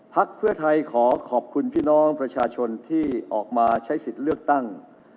พักเพื่อไทยขอขอบคุณพี่น้องประชาชนที่ออกมาใช้สิทธิ์เลือกตั้ง